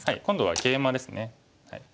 今度はケイマですね。